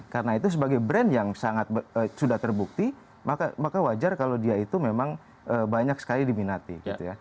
karena itu sebagai brand yang sudah terbukti maka wajar kalau dia itu memang banyak sekali diminati